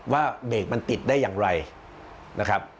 ว่าเบรกมันติดได้อย่างไรนะครับ